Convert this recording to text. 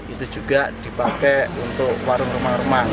itu juga dipakai untuk warung rumah rumah